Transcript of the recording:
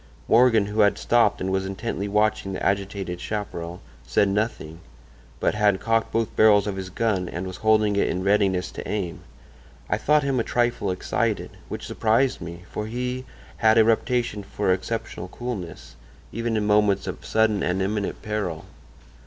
"Morgan, who had stopped and was intently watching the agitated chaparral, said nothing, but had cocked both barrels of his gun and was holding it in readiness to aim. I thought him a trifle excited, which surprised me, for he had a reputation for exceptional coolness, even in moments of sudden and imminent peril.